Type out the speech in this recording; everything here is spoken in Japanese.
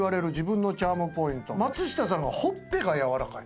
松下さんがほっぺが柔らかい。